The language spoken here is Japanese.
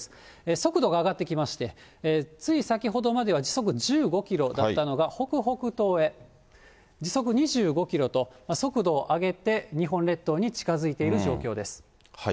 速度が上がってきまして、つい先ほどまでは時速１５キロだったのが、北北東へ時速２５キロと、速度を上げて、日本列島に近づいている状況です。